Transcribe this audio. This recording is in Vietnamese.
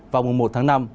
vào mùa một tháng năm